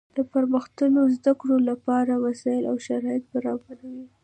د پرمختللو زده کړو له پاره وسائل او شرایط برابروي.